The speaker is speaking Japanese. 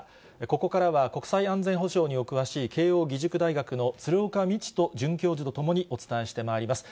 これからは、国際安全保障にお詳しい慶応義塾大学の鶴岡路人准教授と共に、お伝えしてまいります。